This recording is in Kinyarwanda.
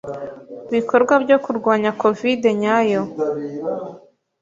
bikorwa byo kurwanya Covide nyayo